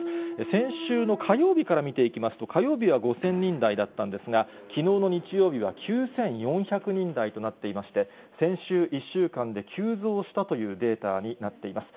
先週の火曜日から見ていきますと、火曜日は５０００人台だったんですが、きのうの日曜日は９４００人台となっていまして、先週１週間で急増したというデータになっています。